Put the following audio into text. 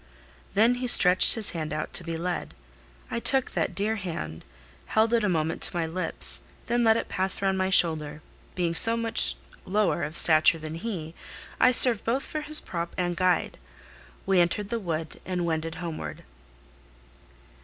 Then he stretched his hand out to be led. I took that dear hand, held it a moment to my lips, then let it pass round my shoulder: being so much lower of stature than he, I served both for his prop and guide. We entered the wood, and wended homeward.